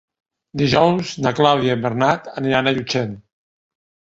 Dijous na Clàudia i en Bernat aniran a Llutxent.